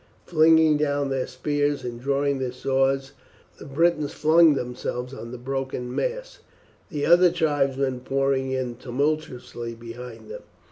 Flinging down their spears and drawing their swords the Britons flung themselves on the broken mass, the other tribesmen pouring in tumultuously behind them.